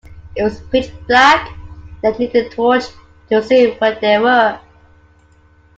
It was pitch black, and they needed a torch to see where they were